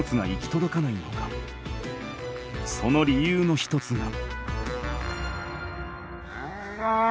その理由の一つが。